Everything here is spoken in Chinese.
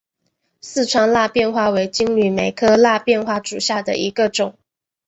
四川蜡瓣花为金缕梅科蜡瓣花属下的一个种。